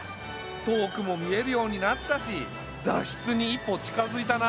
遠くも見えるようになったし脱出に一歩近づいたな。